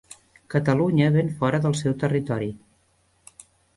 Catalunya ven fora del seu territori